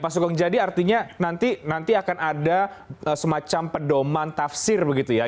pak sugeng jadi artinya nanti akan ada semacam pedoman tafsir begitu ya